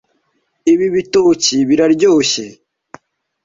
Ibi bitoki biraryoshye.